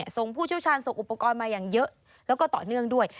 ผู้เชี่ยวชาญส่งอุปกรณ์มาอย่างเยอะแล้วก็ต่อเนื่องด้วย